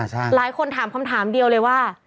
หลายคนถามคำถามเดียวเลยว่า